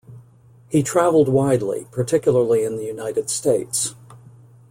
He travelled widely, particularly in the United States.